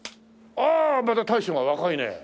ああまた大将が若いね。